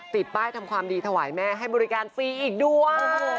ติดป้ายทำความดีถวายแม่ให้บริการฟรีอีกด้วย